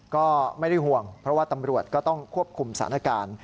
ก็ไม่ได้ห่วงเพราะว่าตำรวจก็ต้องควบคุมสถานการณ์